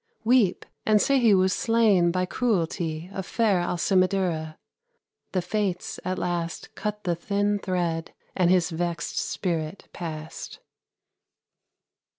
Weep, and say he was slain by cruelty Of fair Alcimadura.'" The Fates at last Cut the thin thread, and his vexed spirit passed.